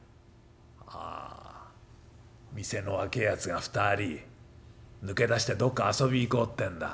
「ああ店の若えやつが２人抜け出してどっか遊び行こうってんだ。